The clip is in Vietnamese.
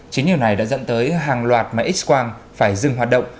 chính điều này đã dẫn tới hàng loạt máy x quan phải dừng hoạt động